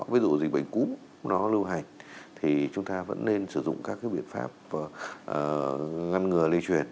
ví dụ dịch bệnh cúm nó lưu hành thì chúng ta vẫn nên sử dụng các cái biện pháp ngăn ngừa lây truyền